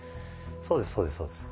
そうですそうですそうです。